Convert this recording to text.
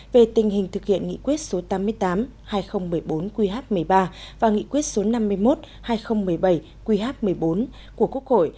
về tình hình thực hiện nghị quyết số tám mươi tám hai nghìn một mươi bốn qh một mươi ba và nghị quyết số năm mươi một hai nghìn một mươi bảy qh một mươi bốn của quốc hội